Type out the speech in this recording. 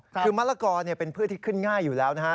คือมะละกอเป็นพืชที่ขึ้นง่ายอยู่แล้วนะฮะ